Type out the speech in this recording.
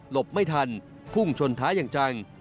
หลบไม่ทันพุ่งชนท้ายังจัง